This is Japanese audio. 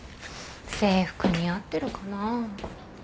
制服似合ってるかなあ。